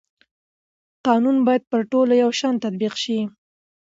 قانون باید پر ټولو یو شان تطبیق شي